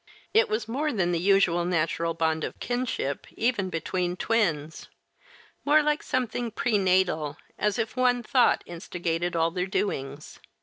It was more than the usual natural bond of kinship, even between twins; more like something prenatal, as if one thought instigated all their doings.